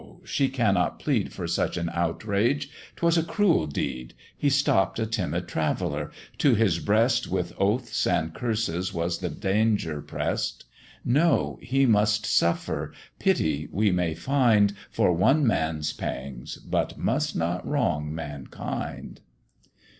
she cannot plead For such an outrage; 'twas a cruel deed: He stopp'd a timid traveller; to his breast, With oaths and curses, was the danger press'd: No! he must suffer: pity we may find For one man's pangs, but must not wrong mankind.